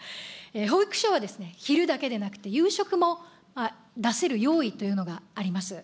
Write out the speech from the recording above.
保育所は昼だけでなくて、夕食も出せる用意というのがあります。